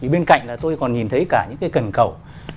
bên cạnh là tôi còn nhìn thấy cả những cái cần cầu